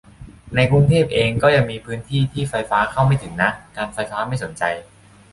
ในกรุงเทพเอง ก็ยังมีพื้นที่ที่ไฟฟ้าเข้าไม่ถึงนะ การไฟฟ้าไม่สนใจ